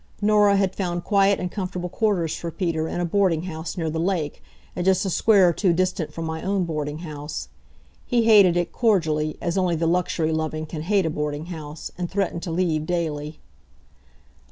Norah had found quiet and comfortable quarters for Peter in a boarding house near the lake, and just a square or two distant from my own boarding house. He hated it cordially, as only the luxury loving can hate a boarding house, and threatened to leave daily.